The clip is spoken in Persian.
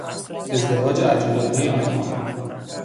ازدواج عجولانهی آنها